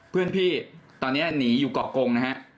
เพื่อนพี่ตอนนี้หนีอยู่เกาะกงนะฮะ